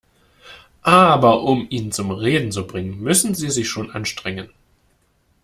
Aber um ihn zum Reden zu bringen, müssen Sie sich schon anstrengen.